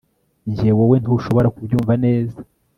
Njye wowe ntushobora kubyumva neza